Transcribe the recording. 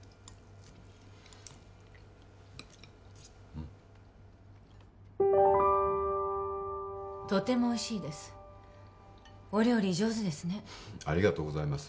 うんとてもおいしいですお料理上手ですねありがとうございます